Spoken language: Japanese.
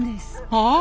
はあ？